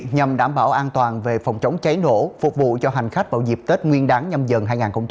nhằm đảm bảo an toàn về phòng chống cháy nổ phục vụ cho hành khách vào dịp tết nguyên đáng nhâm dần hai nghìn hai mươi bốn